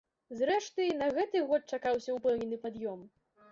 Зрэшты, і на гэты год чакаўся ўпэўнены пад'ём.